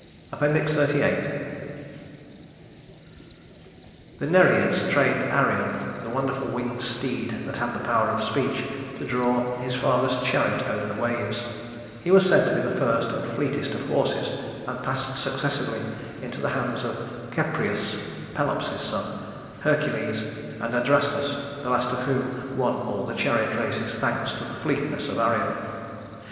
XXXVIII The Nereides trained Arion, the wonderful winged steed that had the power of speech, to draw his father's chariot over the waves. He was said to be the first and the fleetest of horses, and passed successively into the hands of Cepreus (Pelops' son), Hercules, and Adrastus the last of whom won all the chariot races, thanks to the fleetness of Arion.